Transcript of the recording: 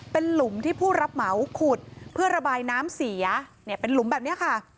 เป็นหลุมที่ผู้รับเหมาขุดเพื่อระบายน้ำเสียเนี่ยเป็นหลุมแบบนี้ค่ะ